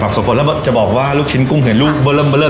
ผักผักสมบูรณ์แล้วจะบอกว่าลูกชิ้นกรุงเห็นรูบล้อเลิฟโบร์ด